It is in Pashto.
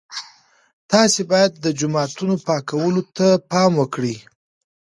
تاسي باید د جوماتونو پاکوالي ته پام وکړئ.